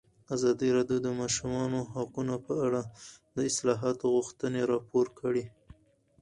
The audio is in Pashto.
ازادي راډیو د د ماشومانو حقونه په اړه د اصلاحاتو غوښتنې راپور کړې.